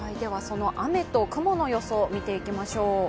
その雨と雲の予想、見ていきましょう。